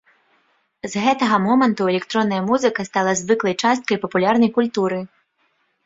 З гэтага моманту электронная музыка стала звыклай часткай папулярнай культуры.